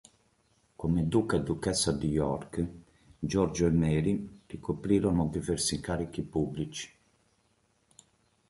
Come duca e duchessa di York, Giorgio e Mary ricoprirono diversi incarichi pubblici.